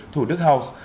thủ đức house